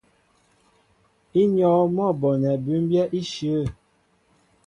Ínyɔ́ɔ́ŋ mɔ́ a bonɛ bʉmbyɛ́ íshyə̂.